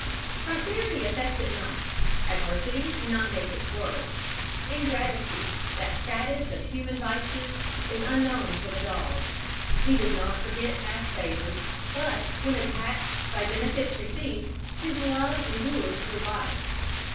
Prosperity affects it not; adversity cannot make it swerve. Ingratitude, that saddest of human vices, is unknown to the dog. He does not forget past favours, but, when attached by benefits received, his love endures through life.